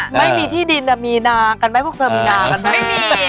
ไม่มีที่ดินมีนาอ่ะพวกเธอมีนาบังไง